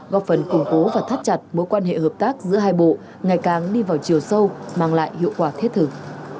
góp phần củng cố và thắt chặt mối quan hệ hợp tác giữa hai bộ ngày càng đi vào chiều sâu mang lại hiệu quả thiết thực